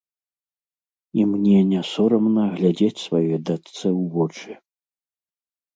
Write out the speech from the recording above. І мне не сорамна глядзець сваёй дачцэ ў вочы.